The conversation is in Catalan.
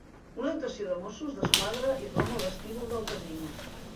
Una dotació de Mossos d'Esquadra irromp al vestíbul del casino.